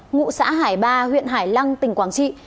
ngụ xã hải ba huyện hải lăng tỉnh quảng trị